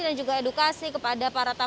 dan juga edukasi kepada para penyelenggara